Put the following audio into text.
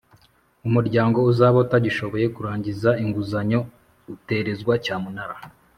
Umuryango uzaba utagishoboye kurangiza inguzanyo uterezwa cyamunara